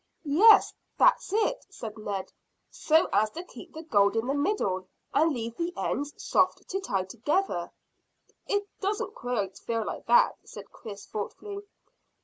"Yes, that's it," said Ned; "so as to keep the gold in the middle, and leave the ends soft to tie together." "It doesn't quite feel like that," said Chris thoughtfully.